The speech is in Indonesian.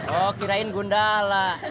oh kirain gundala